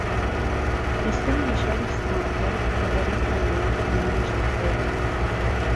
ئێستا لە شاری ستراتفۆرد لە بەریتانیا نمایشدەکرێت